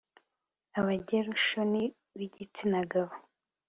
abagerushoni b igitsina gabo